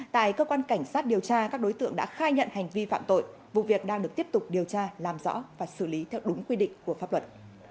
tại cơ quan cảnh sát điều tra các đối tượng đã khai nhận hành vi phạm tội vụ việc đang được tiếp tục điều tra làm rõ và xử lý theo đúng quy định của pháp luật